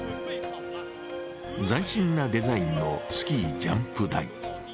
斬新なデザインのスキージャンプ台。